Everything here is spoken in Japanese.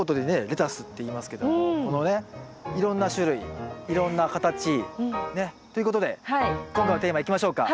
レタスっていいますけどもこのねいろんな種類いろんな形ということで今回のテーマいきましょうか。